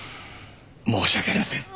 申し訳ありません。